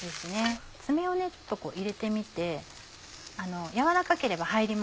爪をちょっと入れてみて柔らかければ入ります。